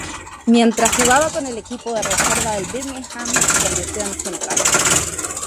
Mientras jugaba con el equipo de reservas del Birmingham, se reconvirtió en central.